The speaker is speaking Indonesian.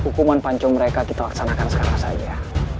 hukuman panco mereka kita laksanakan sekarang saja